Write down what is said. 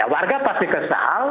warga pasti kesal